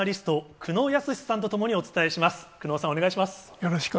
久能さん、お願いします。